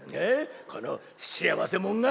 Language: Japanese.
この幸せもんが！